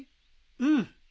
うん。